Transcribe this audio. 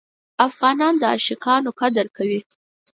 افغانان د عاشقانو قدر کوي.